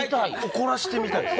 怒らせてみたいです